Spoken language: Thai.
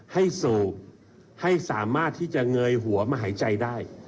สูบให้สามารถที่จะเงยหัวมาหายใจได้